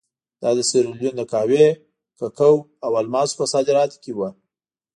دا د سیریلیون د قهوې، کوکو او الماسو په صادراتو کې وو.